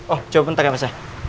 oh coba bentar ya mas